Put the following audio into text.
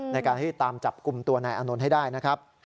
ในการที่ตามจับกลุ่มตัวนายอานนท์ให้ได้นะครับ